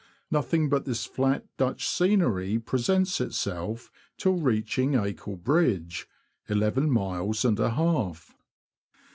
Nothing but this flat Dutch scenery presents itself till reaching Acle Bridge — eleven miles and a half.